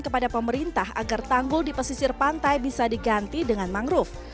kepada pemerintah agar tanggul di pesisir pantai bisa diganti dengan mangrove